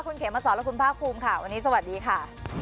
คุณเขมสอนและคุณภาคภูมิค่ะวันนี้สวัสดีค่ะ